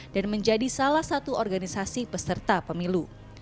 dan menjadi salah satu organisasi peserta pemilu